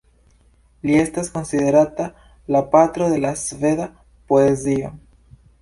Li estas konsiderata la patro de la sveda poezio.